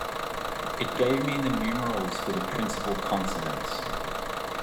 It gave me the numerals for the principal consonants.